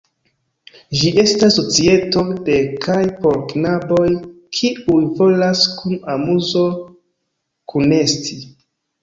Ĝi estas societo de kaj por knaboj, kiuj volas kun amuzo kunesti.